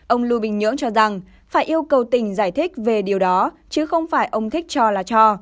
ông lưu bình nhưỡng cho rằng phải yêu cầu tỉnh giải thích về điều đó chứ không phải ông thích cho là cho